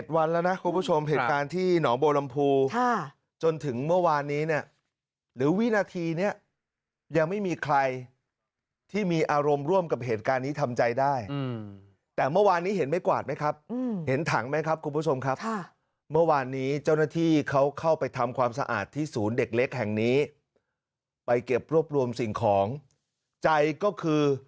แล้วนะคุณผู้ชมเหตุการณ์ที่หนองบัวลำพูจนถึงเมื่อวานนี้เนี่ยหรือวินาทีเนี่ยยังไม่มีใครที่มีอารมณ์ร่วมกับเหตุการณ์นี้ทำใจได้แต่เมื่อวานนี้เห็นไม้กวาดไหมครับเห็นถังไหมครับคุณผู้ชมครับเมื่อวานนี้เจ้าหน้าที่เขาเข้าไปทำความสะอาดที่ศูนย์เด็กเล็กแห่งนี้ไปเก็บรวบรวมสิ่งของใจก็คือ